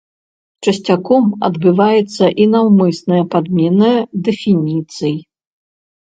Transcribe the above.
Часцяком адбываецца і наўмысная падмена дэфініцый.